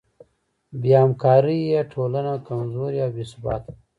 بېهمکارۍ ټولنه کمزورې او بېثباته ده.